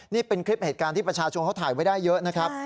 นี่เป็นคลิปเหตุการณ์ที่ประชาชนเขาถ่ายไว้ได้เยอะนะครับ